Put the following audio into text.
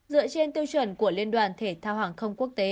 dựa trên tiêu chuẩn của liên đoàn thể thao hàng không quốc tế